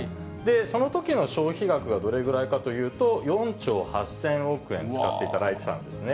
そのときの消費額がどれぐらいかというと、４兆８０００億円使っていただいてたんですね。